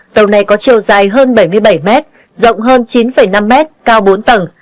tàu này có chiều dài hơn bảy mươi bảy m rộng hơn chín năm m cao bốn tầng